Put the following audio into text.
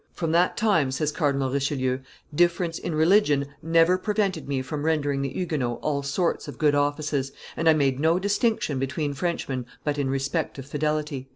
"From that time," says Cardinal Richelieu, "difference in religion never prevented me from rendering the Huguenots all sorts of good offices, and I made no distinction between Frenchmen but in respect of fidelity."